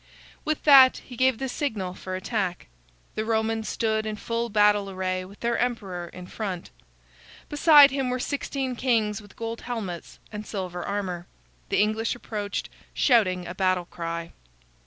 With that, he gave the signal for attack. The Romans stood in full battle array with their emperor in front. Beside him were sixteen kings with gold helmets and silver armor. The English approached, shouting a battle cry.